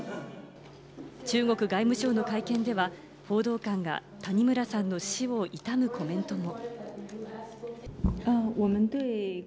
中国外務省の会見では、報道官が谷村さんの死を悼むコメントも。